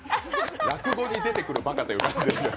落語に出てくるバカという感じですけど。